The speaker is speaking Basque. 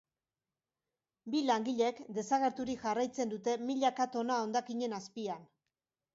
Bi langileek desagerturik jarraitzen dute milaka tona hondakinen azpian.